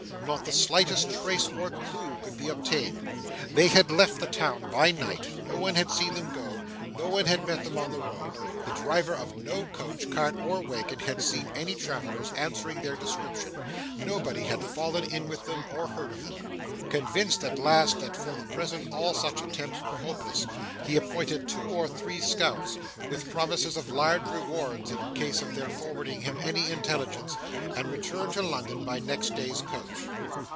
Not the slightest trace or clue could be obtained. They had left the town by night; no one had seen them go; no one had met them on the road; the driver of no coach, cart, or waggon, had seen any travellers answering their description; nobody had fallen in with them, or heard of them. Convinced at last that for the present all such attempts were hopeless, he appointed two or three scouts, with promises of large rewards in case of their forwarding him any intelligence, and returned to London by next day's coach.